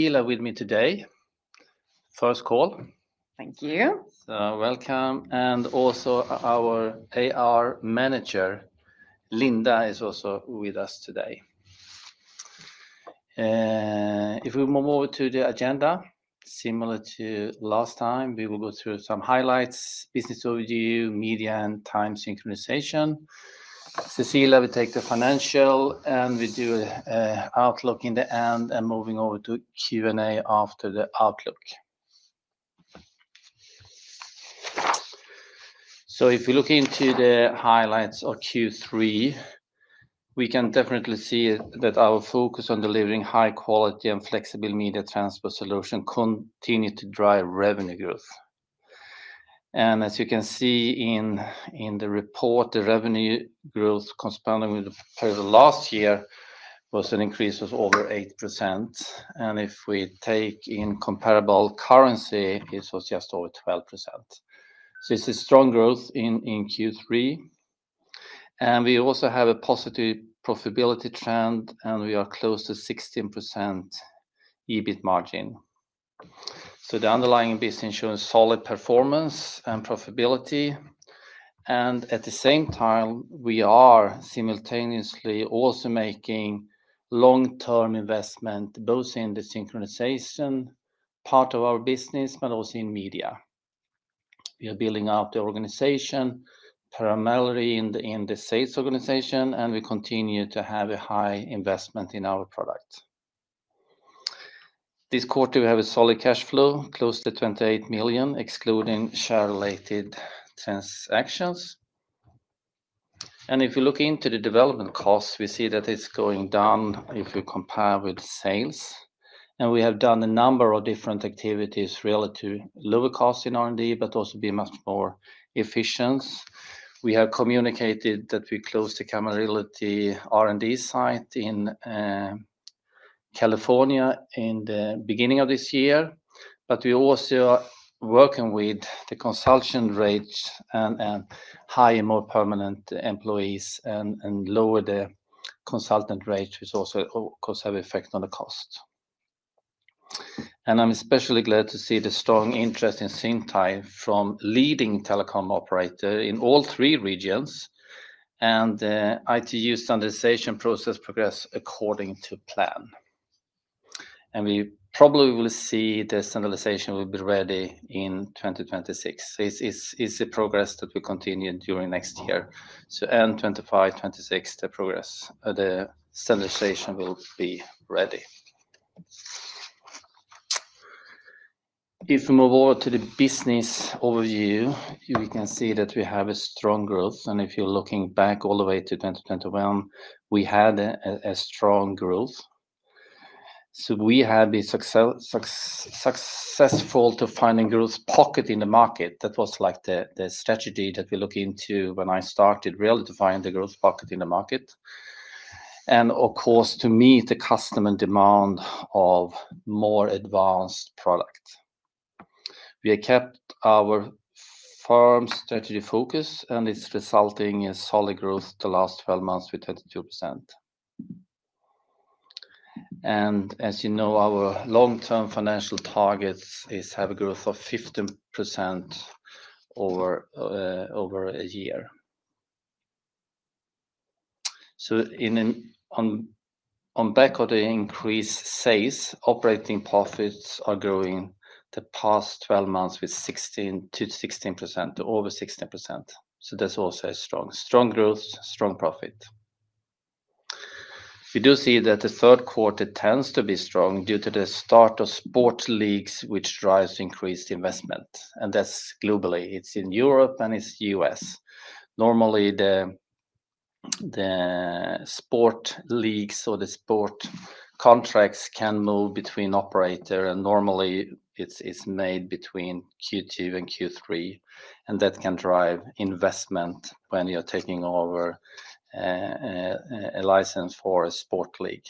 Here with me today. First call. Thank you. So, welcome. And also our IR manager, Linda, is also with us today. If we move over to the agenda, similar to last time, we will go through some highlights: business overview, media, and time synchronization. Cecilia, we take the financial, and we do an outlook in the end and moving over to Q&A after the outlook. So if we look into the highlights of Q3, we can definitely see that our focus on delivering high-quality and flexible media transfer solution continued to drive revenue growth. And as you can see in the report, the revenue growth corresponding with the past last year was an increase of over 8%. And if we take in comparable currency, it was just over 12%. So it's a strong growth in Q3. And we also have a positive profitability trend, and we are close to 16% EBIT margin. So the underlying business shows solid performance and profitability. And at the same time, we are simultaneously also making long-term investment, both in the synchronization part of our business, but also in media. We are building out the organization parallelly in the sales organization, and we continue to have a high investment in our product. This quarter, we have a solid cash flow, close to 28 million, excluding share-related transactions. And if we look into the development costs, we see that it's going down if we compare with sales. And we have done a number of different activities relative to lower cost in R&D, but also be much more efficient. We have communicated that we closed the Camarillo R&D site in California in the beginning of this year. But we're also working with the consultant rates and hiring more permanent employees and lower the consultant rate, which also has an effect on the cost. I'm especially glad to see the strong interest in Zyntai from leading telecom operators in all three regions. The ITU standardization process progressed according to plan. We probably will see the standardization will be ready in 2026. It's a progress that will continue during next year. End 2025, 2026, the progress, the standardization will be ready. If we move over to the business overview, we can see that we have a strong growth. If you're looking back all the way to 2021, we had a strong growth. We have been successful to find a growth pocket in the market. That was like the strategy that we looked into when I started really to find the growth pocket in the market, and of course, to meet the customer demand of more advanced product. We have kept our firm's strategy focus, and it's resulting in solid growth the last 12 months with 32%, and as you know, our long-term financial target is to have a growth of 15% over a year, so on the back of the increased sales, operating profits are growing the past 12 months with 16% to over 16%, so that's also a strong growth, strong profit. We do see that the third quarter tends to be strong due to the start of sports leagues, which drives increased investment, and that's globally. It's in Europe and it's US. Normally, the sports leagues or the sports contracts can move between operators, and normally, it's made between Q2 and Q3. And that can drive investment when you're taking over a license for a sports league.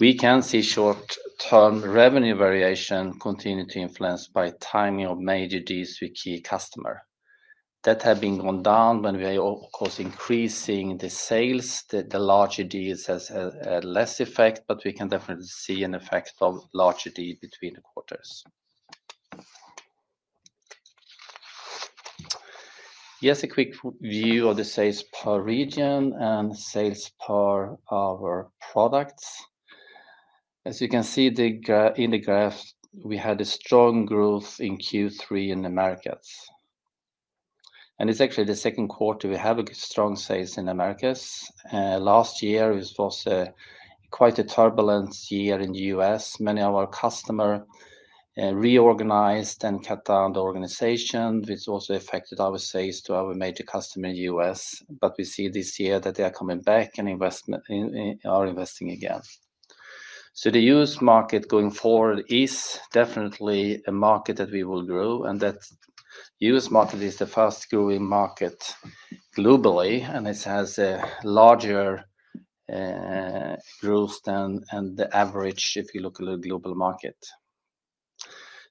We can see short-term revenue variation continues to be influenced by timing of major deals with key customers. That has gone down when we are of course increasing the sales. The larger deals have less effect, but we can definitely see an effect of larger deals between the quarters. Here's a quick view of the sales per region and sales per our products. As you can see in the graph, we had a strong growth in Q3 in the Americas. And it's actually the second quarter we have strong sales in the Americas. Last year, it was quite a turbulent year in the US. Many of our customers reorganized and cut down the organization, which also affected our sales to our major customers in the US. But we see this year that they are coming back and are investing again. So the US market going forward is definitely a market that we will grow. And that US market is the fastest growing market globally. And it has a larger growth than the average if you look at the global market.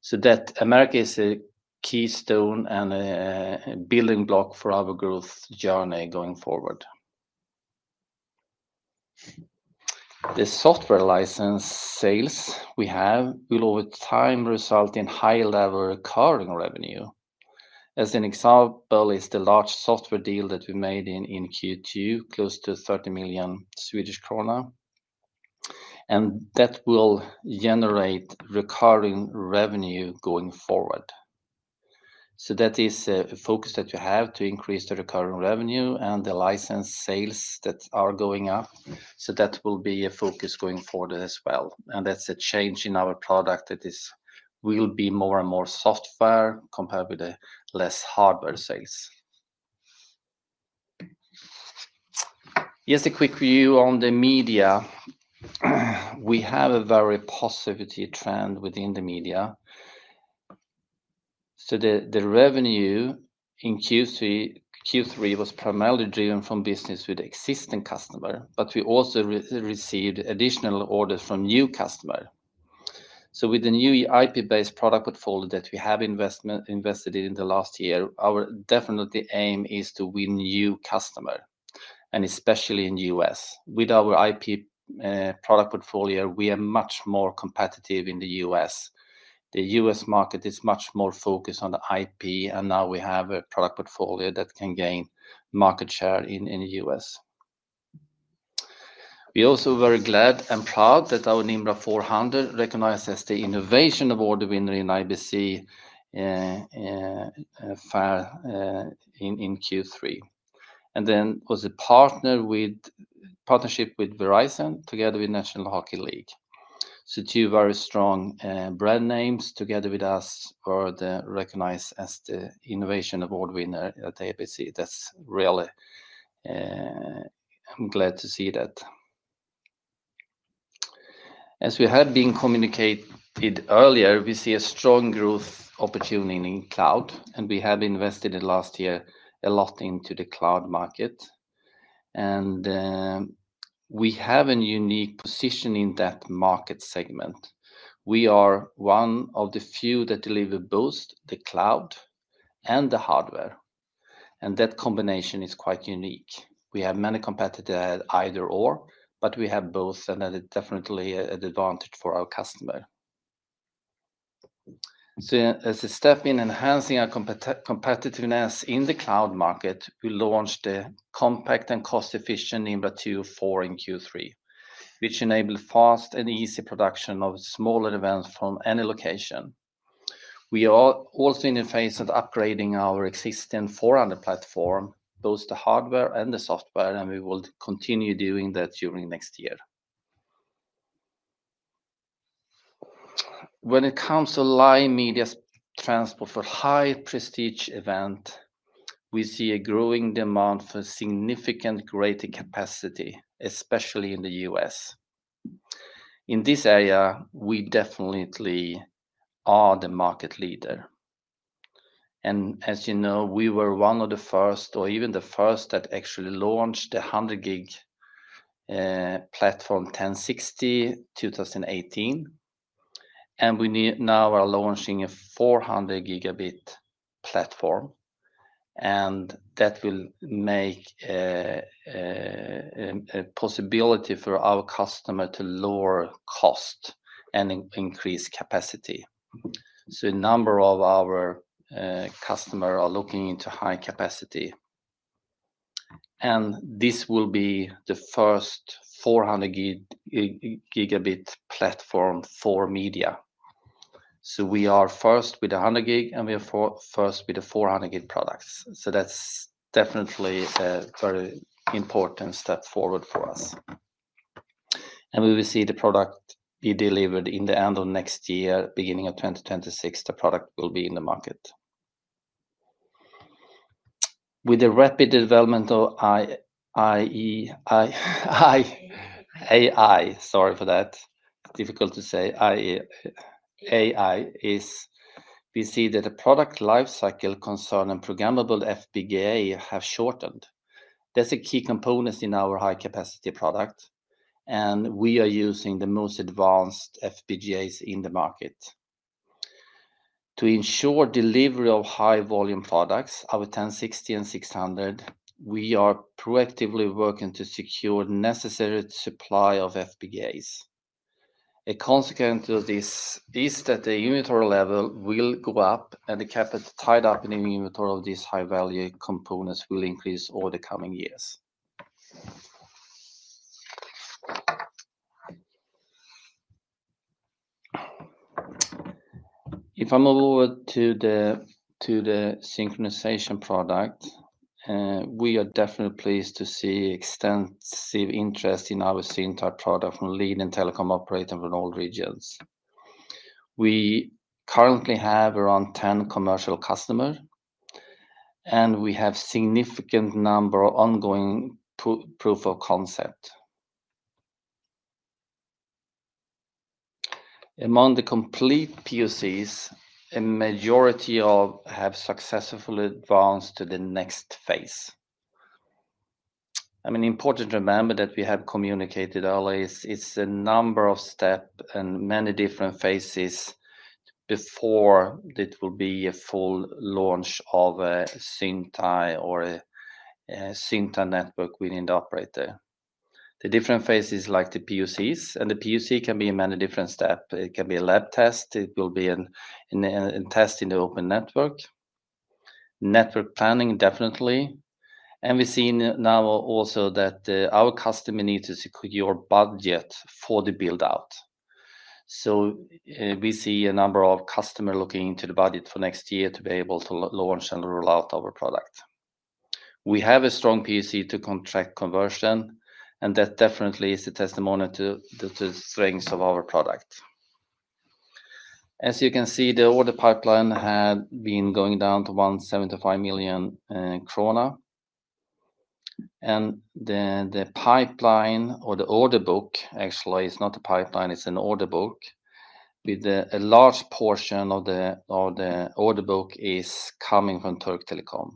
So that America is a keystone and a building block for our growth journey going forward. The software license sales we have will over time result in high-level recurring revenue. As an example, it's the large software deal that we made in Q2, close to 30 million Swedish krona. And that will generate recurring revenue going forward. So that is a focus that we have to increase the recurring revenue and the license sales that are going up. So that will be a focus going forward as well. That's a change in our product that will be more and more software compared with the less hardware sales. Here's a quick view on the media. We have a very positive trend within the media. The revenue in Q3 was primarily driven from business with existing customers, but we also received additional orders from new customers. With the new IP-based product portfolio that we have invested in the last year, our definite aim is to win new customers, and especially in the U.S. With our IP product portfolio, we are much more competitive in the U.S. The U.S. market is much more focused on the IP. Now we have a product portfolio that can gain market share in the U.S. We are also very glad and proud that our Nimbra 400 recognizes the innovation award winner in IBC in Q3. And then was a partnership with Verizon, together with National Hockey League. So two very strong brand names together with us were recognized as the Innovation Award winner at IBC. That's really. I'm glad to see that. As we had been communicated earlier, we see a strong growth opportunity in cloud. And we have invested in the last year a lot into the cloud market. And we have a unique position in that market segment. We are one of the few that deliver both the cloud and the hardware. And that combination is quite unique. We have many competitors that have either/or, but we have both. And that is definitely an advantage for our customers. So as a step in enhancing our competitiveness in the cloud market, we launched the compact and cost-efficient Nimbra 204 in Q3, which enabled fast and easy production of smaller events from any location. We are also in the phase of upgrading our existing 400 platform, both the hardware and the software, and we will continue doing that during next year. When it comes to live media transport for high-prestige events, we see a growing demand for significant greater capacity, especially in the U.S. In this area, we definitely are the market leader, and as you know, we were one of the first, or even the first, that actually launched the 100 Gb platform 1060 in 2018, and we now are launching a 400 Gb platform. And that will make a possibility for our customers to lower cost and increase capacity, so a number of our customers are looking into high capacity, and this will be the first 400 Gb platform for media, so we are first with the 100 Gb, and we are first with the 400 Gb products. So that's definitely a very important step forward for us. And we will see the product be delivered in the end of next year, beginning of 2026. The product will be in the market. With the rapid development of AI, sorry for that. It's difficult to say. AI is we see that the product lifecycle concern and programmable FPGA have shortened. That's a key component in our high-capacity product. And we are using the most advanced FPGAs in the market. To ensure delivery of high-volume products, our 1060 and 600, we are proactively working to secure necessary supply of FPGAs. A consequence of this is that the inventory level will go up, and the tied-up in the inventory of these high-value components will increase over the coming years. If I move over to the synchronization product, we are definitely pleased to see extensive interest in our Zyntai product from leading telecom operators from all regions. We currently have around 10 commercial customers. And we have a significant number of ongoing proof of concept. Among the complete POCs, a majority have successfully advanced to the next phase. I mean, important to remember that we have communicated earlier, it's a number of steps and many different phases before it will be a full launch of a Zyntai or a Zyntai network within the operator. The different phases like the POCs. And the POC can be many different steps. It can be a lab test. It will be a test in the open network. Network planning, definitely. And we see now also that our customer needs to secure budget for the build-out. We see a number of customers looking into the budget for next year to be able to launch and roll out our product. We have a strong POC to contract conversion. And that definitely is a testimonial to the strengths of our product. As you can see, the order pipeline had been going down to 175 million krona. And the pipeline or the order book, actually, it's not a pipeline. It's an order book. A large portion of the order book is coming from Türk Telekom.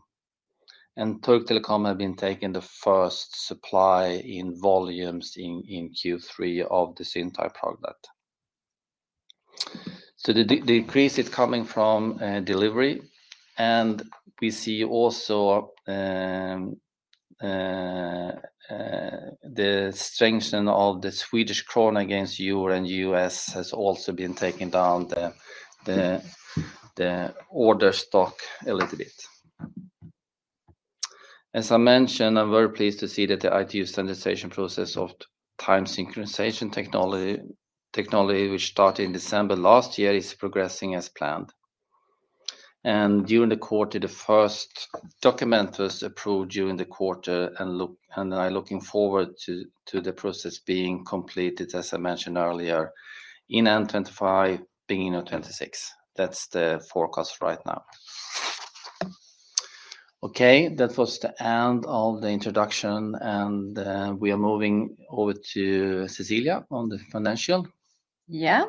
And Türk Telekom has been taking the first supply in volumes in Q3 of the Zyntai product. So the increase is coming from delivery. And we see also the strengthening of the Swedish krona against the euro and the US dollar has also been taking down the order stock a little bit. As I mentioned, I'm very pleased to see that the ITU standardization process of time synchronization technology, which started in December last year, is progressing as planned. And during the quarter, the first document was approved during the quarter. And I'm looking forward to the process being completed, as I mentioned earlier, in Q1 2025, beginning of 2026. That's the forecast right now. Okay, that was the end of the introduction. And we are moving over to Cecilia on the financial. Yeah.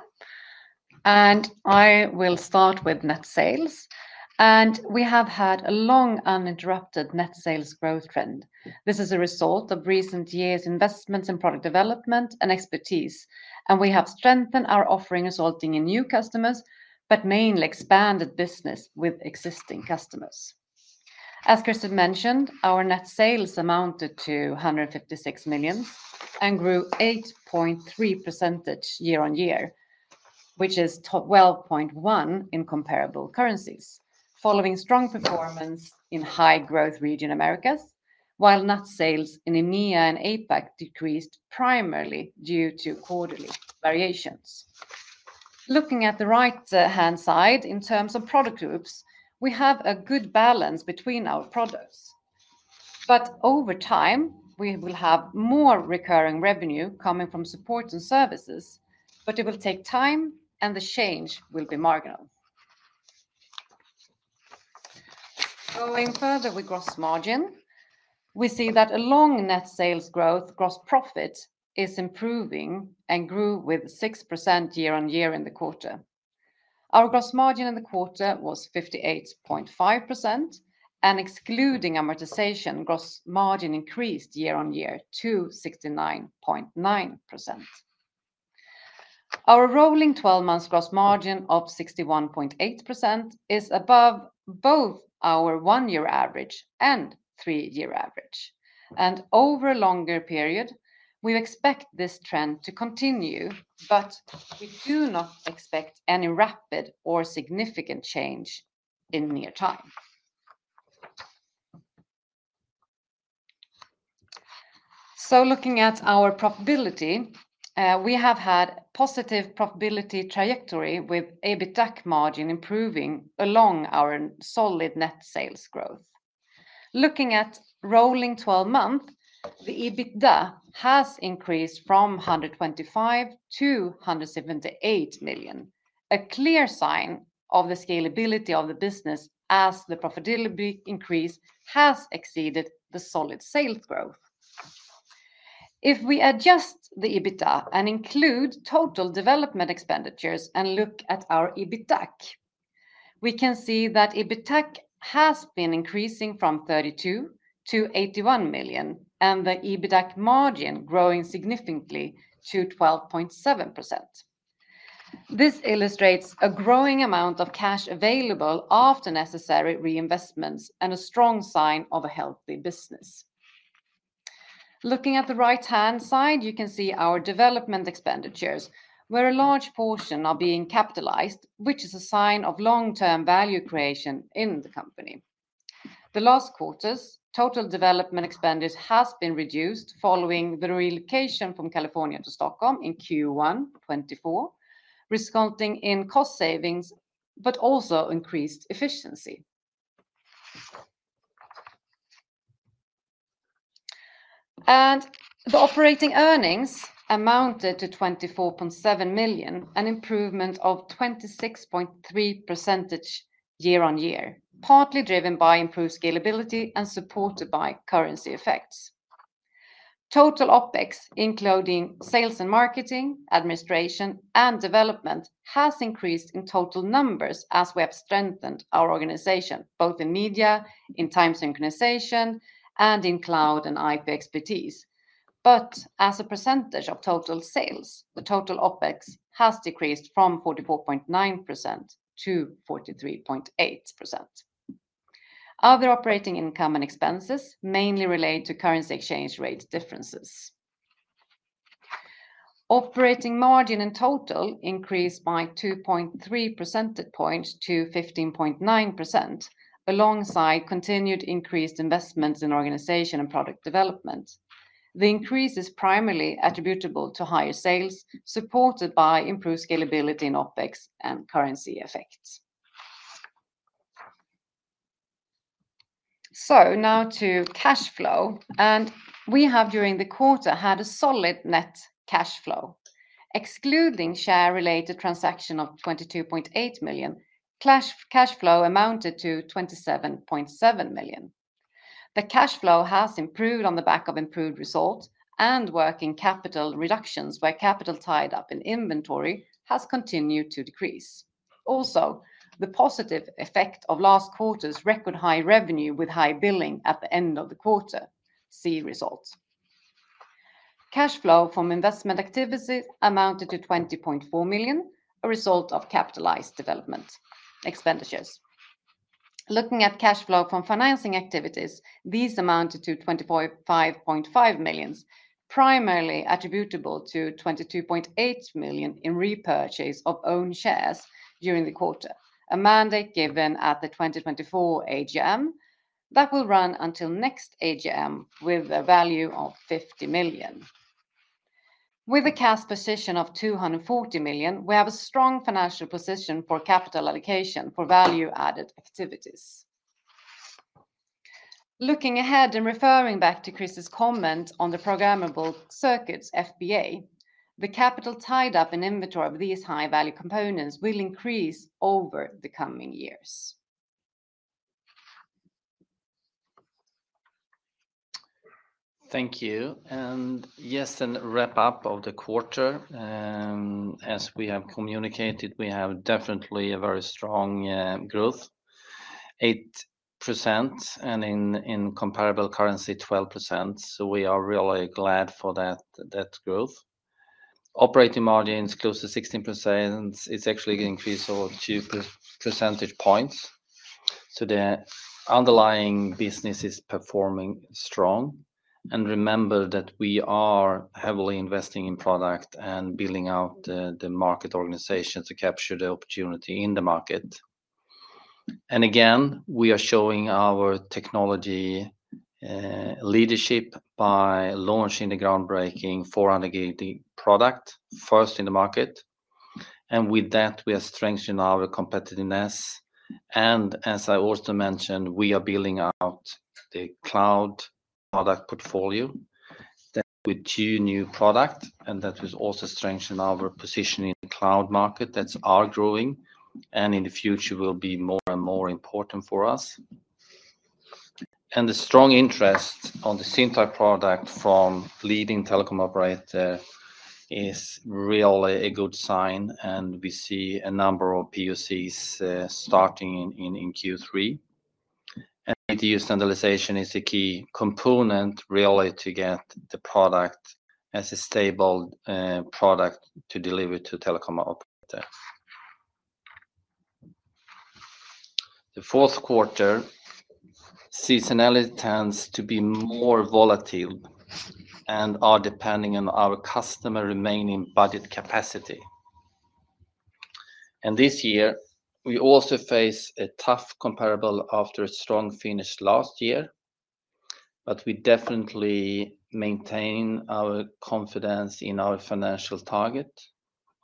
And I will start with net sales. And we have had a long uninterrupted net sales growth trend. This is a result of recent years' investments in product development and expertise. And we have strengthened our offering, resulting in new customers, but mainly expanded business with existing customers. As Crister mentioned, our net sales amounted to 156 million and grew 8.3% year on year, which is 12.1% in comparable currencies, following strong performance in high-growth region Americas, while net sales in EMEA and APAC decreased primarily due to quarterly variations. Looking at the right-hand side in terms of product groups, we have a good balance between our products. But over time, we will have more recurring revenue coming from support and services, but it will take time, and the change will be marginal. Going further with gross margin, we see that along net sales growth, gross profit is improving and grew with 6% year on year in the quarter. Our gross margin in the quarter was 58.5%. And excluding amortization, gross margin increased year on year to 69.9%. Our rolling 12-month gross margin of 61.8% is above both our one-year average and three-year average. Over a longer period, we expect this trend to continue, but we do not expect any rapid or significant change in near time. So looking at our profitability, we have had a positive profitability trajectory with EBITDA margin improving along our solid net sales growth. Looking at rolling 12 months, the EBITDA has increased from 125 million to 178 million, a clear sign of the scalability of the business as the profitability increase has exceeded the solid sales growth. If we adjust the EBITDA and include total development expenditures and look at our EBITDAC, we can see that EBITDAC has been increasing from 32 million to 81 million and the EBITDAC margin growing significantly to 12.7%. This illustrates a growing amount of cash available after necessary reinvestments and a strong sign of a healthy business. Looking at the right-hand side, you can see our development expenditures, where a large portion are being capitalized, which is a sign of long-term value creation in the company. The last quarter's total development expenditure has been reduced following the relocation from California to Stockholm in Q1 2024, resulting in cost savings, but also increased efficiency, and the operating earnings amounted to 24.7 million, an improvement of 26.3% year on year, partly driven by improved scalability and supported by currency effects. Total OpEx, including sales and marketing, administration, and development, has increased in total numbers as we have strengthened our organization, both in media, in time synchronization, and in cloud and IP expertise, but as a percentage of total sales, the total OpEx has decreased from 44.9%-43.8%. Other operating income and expenses mainly relate to currency exchange rate differences. Operating margin in total increased by 2.3 percentage points to 15.9%, alongside continued increased investments in organization and product development. The increase is primarily attributable to higher sales, supported by improved scalability in OpEx and currency effects. So now to cash flow. And we have, during the quarter, had a solid net cash flow. Excluding share-related transaction of 22.8 million, cash flow amounted to 27.7 million. The cash flow has improved on the back of improved results, and working capital reductions, where capital tied up in inventory, has continued to decrease. Also, the positive effect of last quarter's record high revenue with high billing at the end of the quarter see results. Cash flow from investment activity amounted to 20.4 million, a result of capitalized development expenditures. Looking at cash flow from financing activities, these amounted to 25.5 million, primarily attributable to 22.8 million in repurchase of own shares during the quarter, a mandate given at the 2024 AGM that will run until next AGM with a value of 50 million. With a cash position of 240 million, we have a strong financial position for capital allocation for value-added activities. Looking ahead and referring back to Crister's comment on the programmable circuits FPGA, the capital tied up in inventory of these high-value components will increase over the coming years. Thank you. And yes, a wrap-up of the quarter. As we have communicated, we have definitely a very strong growth, 8%, and in comparable currency, 12%. So we are really glad for that growth. Operating margin is close to 16%. It's actually increased over two percentage points. So the underlying business is performing strong. And remember that we are heavily investing in product and building out the market organization to capture the opportunity in the market. And again, we are showing our technology leadership by launching the groundbreaking 400 Gb product, first in the market. And with that, we are strengthening our competitiveness. And as I also mentioned, we are building out the cloud product portfolio. That's with two new products. And that has also strengthened our position in the cloud market. That's our growing. And in the future, it will be more and more important for us. And the strong interest in the Zyntai product from leading telecom operators is really a good sign. And we see a number of POCs starting in Q3. And ITU standardization is a key component really to get the product as a stable product to deliver to telecom operators. The fourth quarter, seasonality tends to be more volatile and are depending on our customer remaining budget capacity. And this year, we also face a tough comparable after a strong finish last year. But we definitely maintain our confidence in our financial target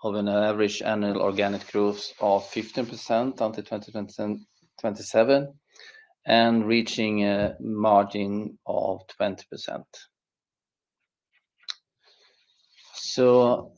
of an average annual organic growth of 15% until 2027 and reaching a margin of 20%. So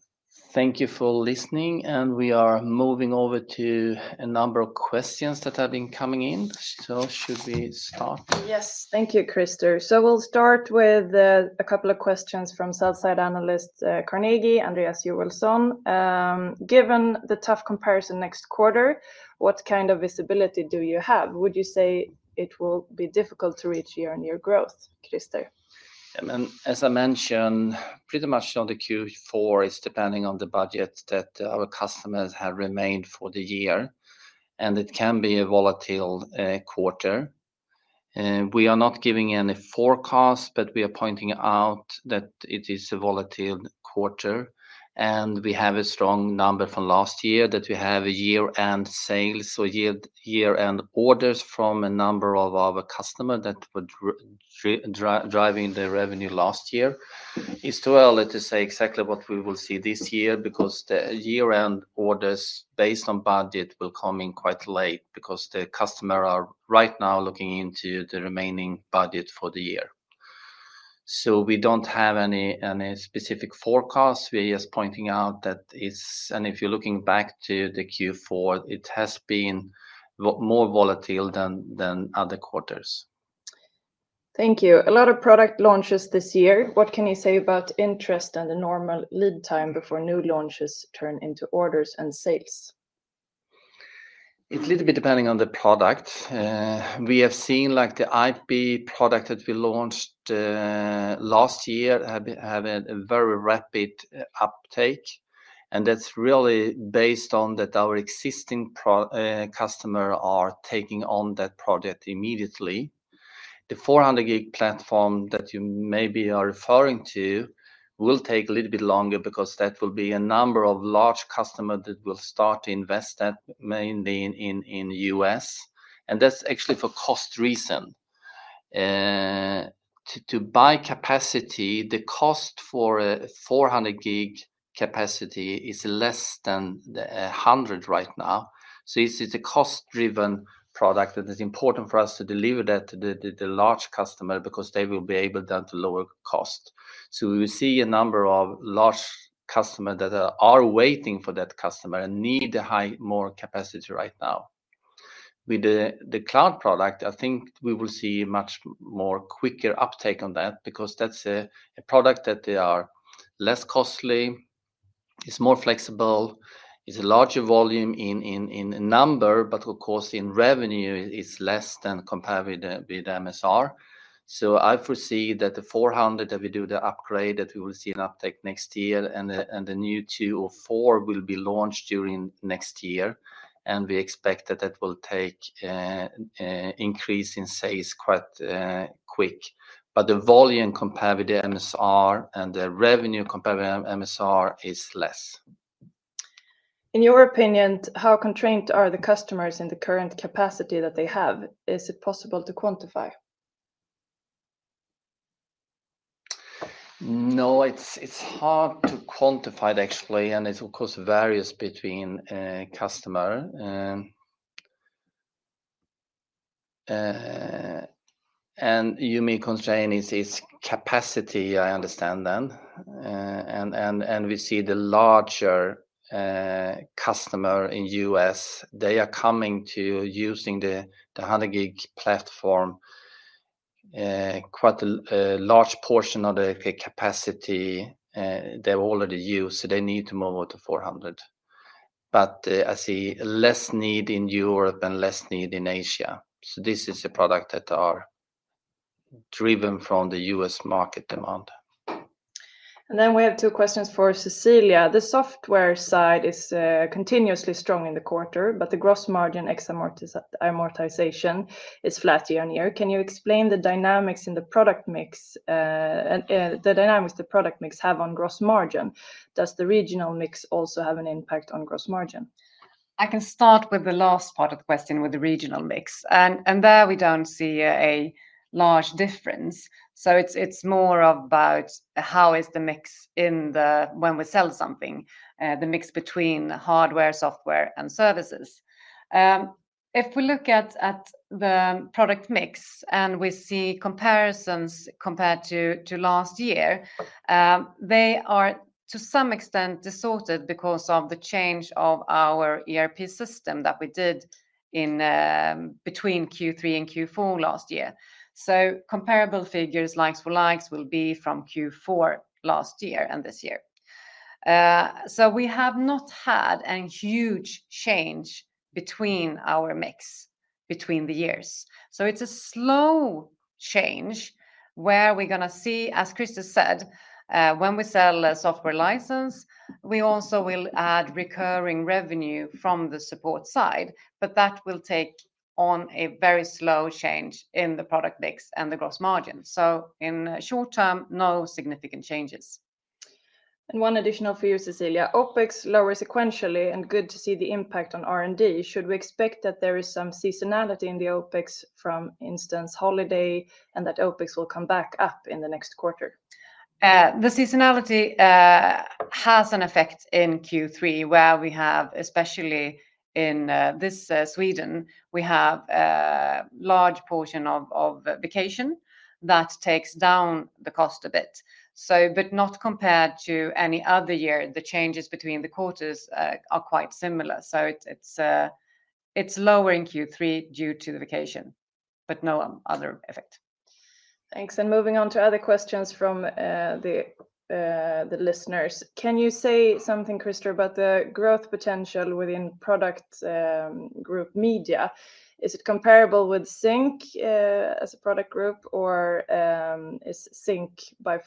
thank you for listening. And we are moving over to a number of questions that have been coming in. So should we start? Yes, thank you, Crister. So we'll start with a couple of questions from Carnegie analyst Andreas Joelsson. Given the tough comparison next quarter, what kind of visibility do you have? Would you say it will be difficult to reach year on year growth, Crister? As I mentioned, pretty much on the Q4, it's depending on the budget that our customers have remained for the year. And it can be a volatile quarter. We are not giving any forecast, but we are pointing out that it is a volatile quarter. And we have a strong number from last year that we have year-end sales. So year-end orders from a number of our customers that were driving the revenue last year is too early to say exactly what we will see this year because the year-end orders based on budget will come in quite late because the customers are right now looking into the remaining budget for the year. So we don't have any specific forecasts. We're just pointing out that it's, and if you're looking back to the Q4, it has been more volatile than other quarters. Thank you. A lot of product launches this year. What can you say about interest and the normal lead time before new launches turn into orders and sales? It's a little bit depending on the product. We have seen like the IP product that we launched last year have a very rapid uptake. And that's really based on that our existing customers are taking on that project immediately. The 400 Gb platform that you may be referring to will take a little bit longer because that will be a number of large customers that will start to invest in that mainly in the U.S. And that's actually for cost reason. To buy capacity, the cost for a 400 Gb capacity is less than 100 right now. So it's a cost-driven product that is important for us to deliver that to the large customers because they will be able then to lower cost. So we will see a number of large customers that are waiting for that product and need more capacity right now. With the cloud product, I think we will see much more quicker uptake on that because that's a product that they are less costly. It's more flexible. It's a larger volume in number, but of course, in revenue, it's less than compared with MSR. So I foresee that the 400 that we do the upgrade that we will see an uptake next year and the new 204 will be launched during next year. And we expect that that will take an increase in sales quite quick. But the volume compared with the MSR and the revenue compared with MSR is less. In your opinion, how constrained are the customers in the current capacity that they have? Is it possible to quantify? No, it's hard to quantify it actually. And it's of course various between customers. And you mean constraint is capacity, I understand then. And we see the larger customers in the U.S. They are coming to using the 100 Gb platform. Quite a large portion of the capacity they've already used. So they need to move over to 400. But I see less need in Europe and less need in Asia. So this is a product that are driven from the U.S. market demand. And then we have two questions for Cecilia. The software side is continuously strong in the quarter, but the gross margin ex amortization is flat year on year. Can you explain the dynamics in the product mix? The dynamics the product mix have on gross margin. Does the regional mix also have an impact on gross margin? I can start with the last part of the question with the regional mix. And there we don't see a large difference. So it's more about how the mix is when we sell something, the mix between hardware, software, and services. If we look at the product mix and we see comparisons compared to last year, they are to some extent distorted because of the change of our ERP system that we did between Q3 and Q4 last year. So comparable figures like for like will be from Q4 last year and this year. So we have not had a huge change between our mix between the years. So it's a slow change where we're going to see, as Crister said, when we sell a software license, we also will add recurring revenue from the support side, but that will take a very slow change in the product mix and the gross margin. So in short term, no significant changes. And one additional for you, Cecilia. OpEx lowers sequentially and good to see the impact on R&D. Should we expect that there is some seasonality in the OpEx, for instance, holiday, and that OpEx will come back up in the next quarter? The seasonality has an effect in Q3, where we have, especially in Sweden, we have a large portion of vacation that takes down the cost a bit. But not compared to any other year, the changes between the quarters are quite similar. So it's lower in Q3 due to the vacation, but no other effect. Thanks. And moving on to other questions from the listeners. Can you say something, Crister, about the growth potential within product group media? Is it comparable with Zyntai as a product group, or does Zyntai by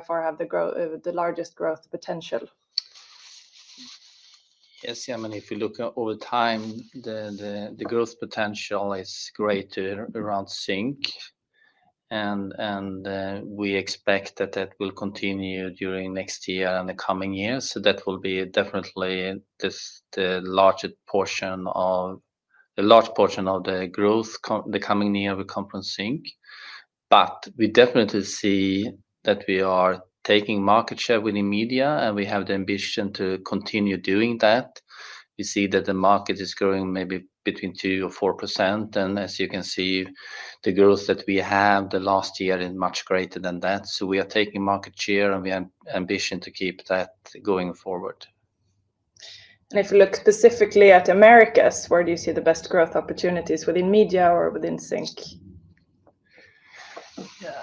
far have the largest growth potential? Yes, I mean, if you look over time, the growth potential is greater around Sync. And we expect that that will continue during next year and the coming years. So that will be definitely the large portion of the large portion of the growth the coming year will come from Sync. But we definitely see that we are taking market share within media, and we have the ambition to continue doing that. We see that the market is growing maybe between 2% or 4%. And as you can see, the growth that we have the last year is much greater than that. So we are taking market share, and we have ambition to keep that going forward. And if you look specifically at Americas, where do you see the best growth opportunities within media or within Sync? Yeah,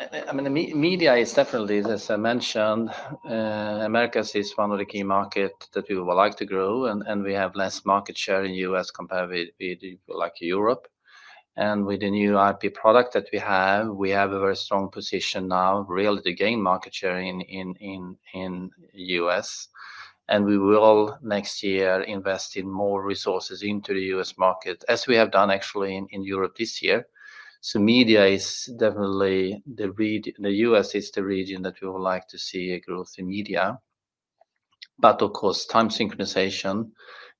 I mean, media is definitely, as I mentioned, Americas is one of the key markets that we would like to grow. And we have less market share in the US compared with like Europe. And with the new IP product that we have, we have a very strong position now, really to gain market share in the US. And we will next year invest in more resources into the US market, as we have done actually in Europe this year. So media is definitely the region, the US is the region that we would like to see a growth in media. But of course, time synchronization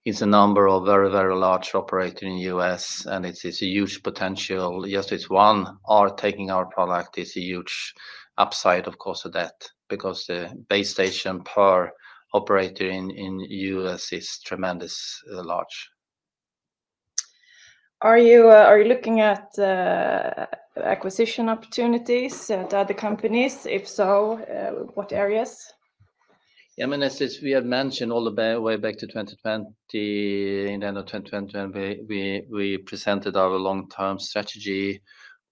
is a number of very, very large operators in the US, and it's a huge potential. Just as one are taking our product, it's a huge upside of course of that because the base station per operator in the US is tremendously large. Are you looking at acquisition opportunities at other companies? If so, what areas? Yeah, I mean, as we have mentioned all the way back to 2020, in the end of 2020, we presented our long-term strategy.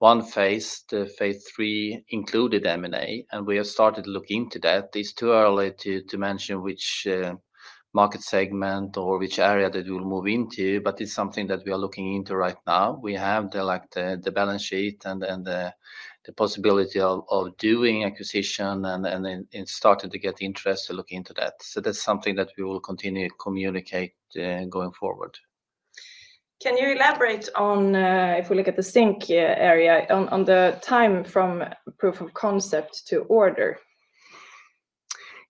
One phase, the phase three included M&A, and we have started looking into that. It's too early to mention which market segment or which area that we will move into, but it's something that we are looking into right now. We have the balance sheet and the possibility of doing acquisition and starting to get interest to look into that. So that's something that we will continue to communicate going forward. Can you elaborate on, if we look at the Sync area, on the time from proof of concept to order?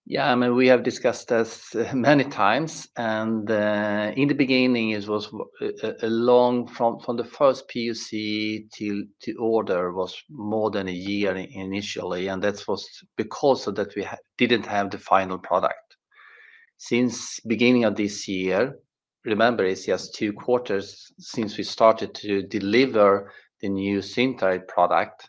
Yeah, I mean, we have discussed this many times. In the beginning, it was a long from the first POC to order was more than a year initially. That was because of that we didn't have the final product. Since the beginning of this year, remember, it's just two quarters since we started to deliver the new Zyntai product.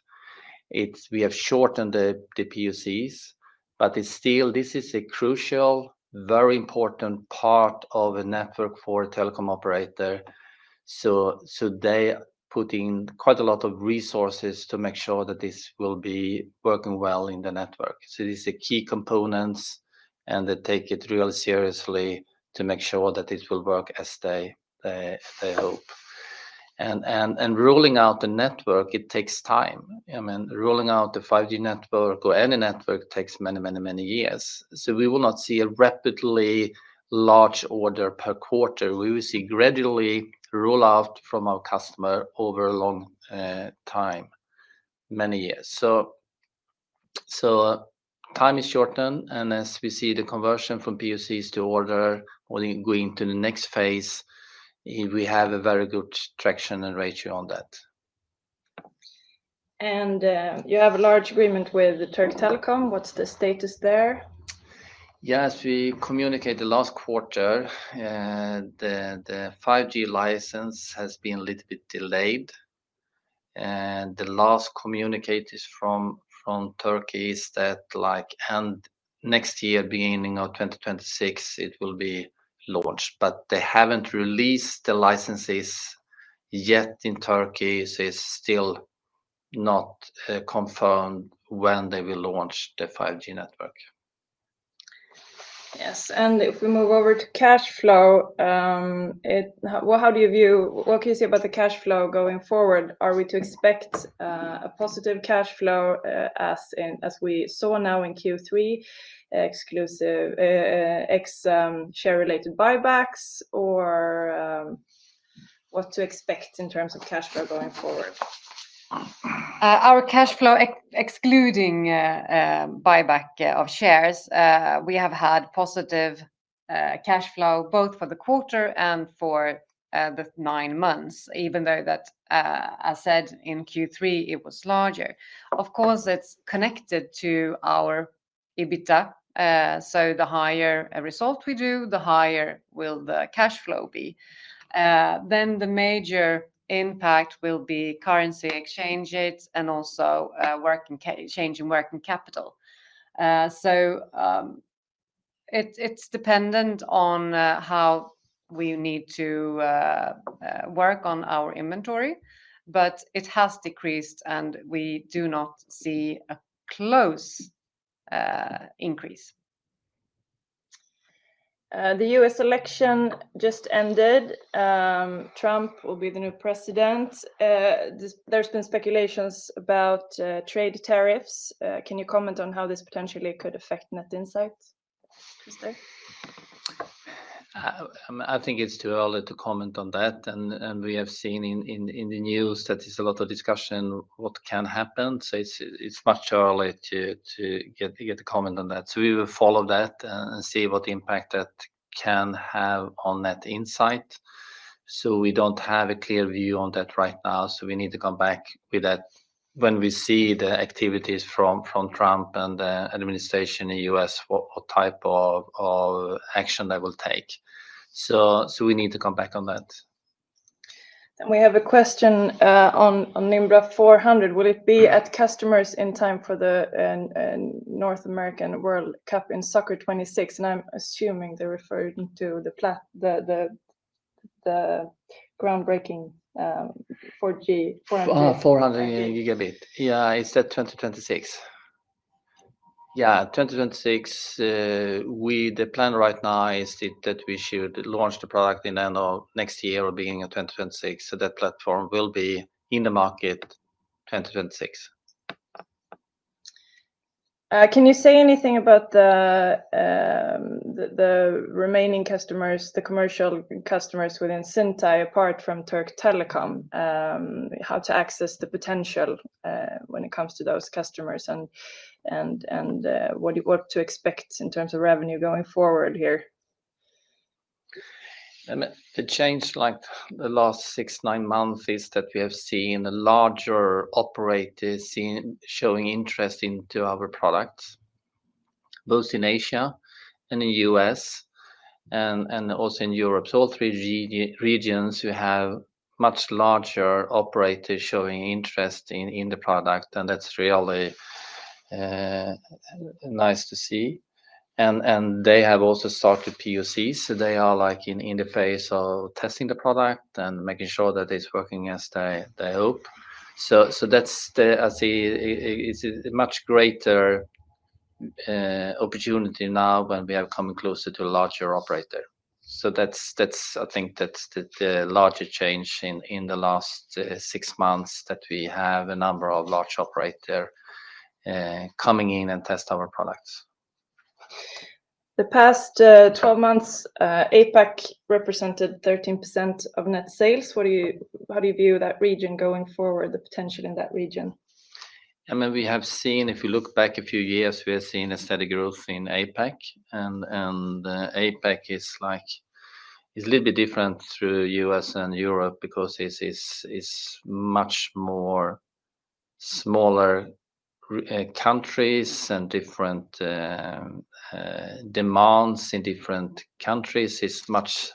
We have shortened the POCs, but it's still, this is a crucial, very important part of a network for a telecom operator. They put in quite a lot of resources to make sure that this will be working well in the network. These are key components, and they take it really seriously to make sure that it will work as they hope. Rolling out the network, it takes time. I mean, rolling out the 5G network or any network takes many, many, many years. We will not see a rapidly large order per quarter. We will see gradually roll out from our customer over a long time, many years. So time is shortened. And as we see the conversion from POCs to order going to the next phase, we have a very good traction and ratio on that. And you have a large agreement with Türk Telekom. What's the status there? Yes, we communicated last quarter. The 5G license has been a little bit delayed. And the last communicated from Turkey is that like next year, beginning of 2026, it will be launched. But they haven't released the licenses yet in Turkey. So it's still not confirmed when they will launch the 5G network. Yes. And if we move over to cash flow, how do you view, what can you say about the cash flow going forward? Are we to expect a positive cash flow as we saw now in Q3, exclusive ex share-related buybacks, or what to expect in terms of cash flow going forward? Our cash flow, excluding buyback of shares, we have had positive cash flow both for the quarter and for the nine months, even though that, as said in Q3, it was larger. Of course, it's connected to our EBITDA. So the higher a result we do, the higher will the cash flow be. Then the major impact will be currency exchanges and also change in working capital. So it's dependent on how we need to work on our inventory, but it has decreased, and we do not see a close increase. The U.S. election just ended. Trump will be the new president. There's been speculations about trade tariffs. Can you comment on how this potentially could affect Net Insight? I think it's too early to comment on that. And we have seen in the news that there's a lot of discussion what can happen. So it's much earlier to get a comment on that. So we will follow that and see what impact that can have on Net Insight. So we don't have a clear view on that right now. So we need to come back with that when we see the activities from Trump and the administration in the U.S., what type of action they will take. So we need to come back on that. And we have a question on Nimbra 400. Will it be at customers in time for the North American World Cup in soccer 2026? And I'm assuming they're referring to the groundbreaking 400 Gb. 400 Gb. Yeah, it's that 2026. Yeah, 2026. With the plan right now is that we should launch the product in the end of next year or beginning of 2026. So that platform will be in the market 2026. Can you say anything about the remaining customers, the commercial customers within Zyntai, apart from Türk Telekom? How to access the potential when it comes to those customers and what to expect in terms of revenue going forward here? The change like the last six, nine months is that we have seen a larger operators showing interest into our products, both in Asia and in the US and also in Europe. So all three regions who have much larger operators showing interest in the product. And that's really nice to see. And they have also started POCs. So they are like in the phase of testing the product and making sure that it's working as they hope. So that's, I see, it's a much greater opportunity now when we are coming closer to a larger operator. So that's, I think that's the larger change in the last six months that we have a number of large operators coming in and testing our products. The past 12 months, APAC represented 13% of net sales. How do you view that region going forward, the potential in that region? I mean, we have seen, if you look back a few years, we have seen a steady growth in APAC. And APAC is like a little bit different through the US and Europe because it's much more smaller countries and different demands in different countries. It's much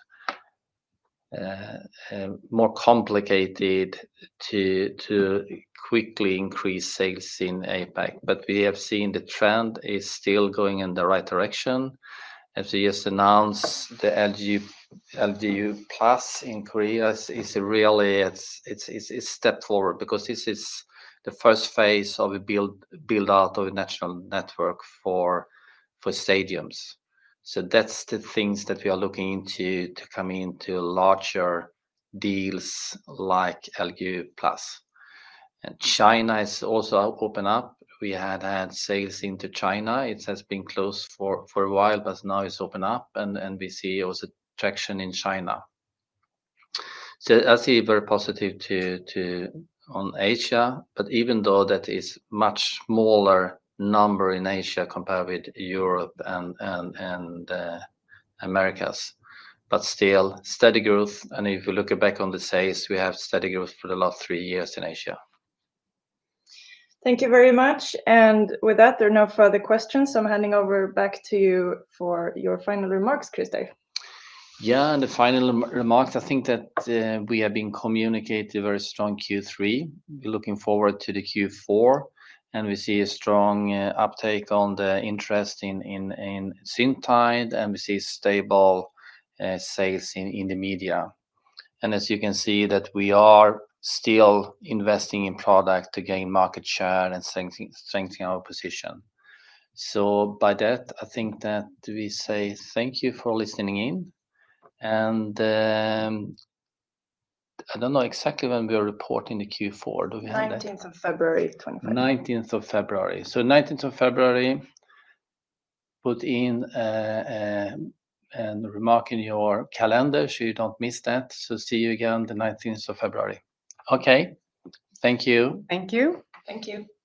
more complicated to quickly increase sales in APAC. But we have seen the trend is still going in the right direction. As we just announced, the LG Uplus in Korea is really a step forward because this is the first phase of a build-out of a national network for stadiums, so that's the things that we are looking into to come into larger deals like LG Uplus, and China is also open up. We had had sales into China. It has been closed for a while, but now it's opened up, and we see also traction in China, so I see it very positive on Asia, but even though that is a much smaller number in Asia compared with Europe and Americas, but still steady growth, and if you look back on the sales, we have steady growth for the last three years in Asia. Thank you very much, and with that, there are no further questions. I'm handing over back to you for your final remarks, Crister. Yeah, and the final remarks, I think that we have been communicated very strong Q3. We're looking forward to the Q4. And we see a strong uptake on the interest in Zyntai. And we see stable sales in the media. And as you can see that we are still investing in product to gain market share and strengthen our position. So by that, I think that we say thank you for listening in. And I don't know exactly when we are reporting the Q4. Do we have that? 19th of February. 19th of February. So 19th of February, put in and remark in your calendar so you don't miss that. So see you again the 19th of February. Okay. Thank you. Thank you. Thank you.